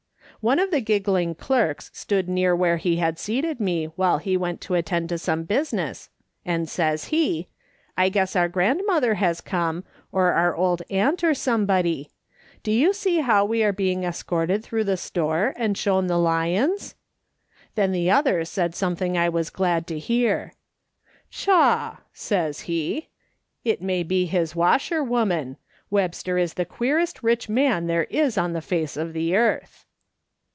" One of the giggling clerks stood near where he had seated me while he went to attend to some busi ness, and says he, * I guess our grandmother has come, or our old aunt or somebody. Do you see how we are being escorted through the store and shown the lions ?' Then the other said something I was glad to hear. ' Pshaw !' says he. ' It may be his washerwoman ! Webster is the queerest rich man there is on the face of the earth.'